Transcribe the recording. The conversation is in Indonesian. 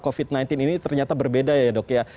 covid sembilan belas ini ternyata berbeda ya dok ya